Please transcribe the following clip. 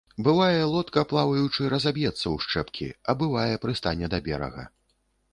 Бывае, лодка, плаваючы, разаб'ецца ў шчэпкі, а бывае, прыстане да берага.